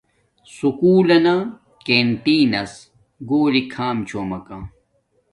سکُول لنا کنٹین نس گھولی کھام چھومکا